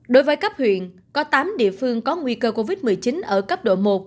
đối với cấp huyện có tám địa phương có nguy cơ covid một mươi chín ở cấp độ một